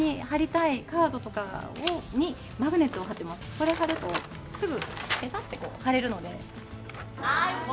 これを貼るとすぐペタッと貼れるので。